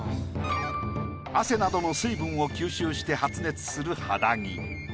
汗などの水分を吸収して発熱する肌着。